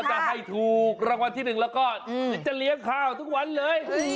ก็จะให้ถูกรวรรณที่หนึ่งแล้วก็อืมจะเลี้ยงข้าวทุกวันเลย